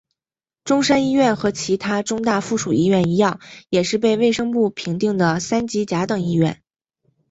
中山一院和其它中大附属医院一样也是被卫生部评定的三级甲等医院。